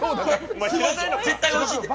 絶対おいしいので。